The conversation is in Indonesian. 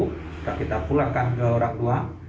sudah kita pulangkan ke orang tua